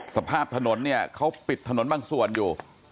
สภาพถนนเนี่ยเขาปิดถนนบางส่วนอยู่